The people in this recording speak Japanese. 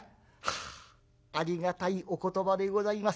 「ああありがたいお言葉でございます。